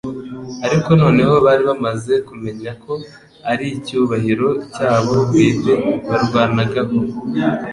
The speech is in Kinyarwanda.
ariko noneho bari bamaze kumenya ko ari icyubahiro cyabo bwite barwanagaho.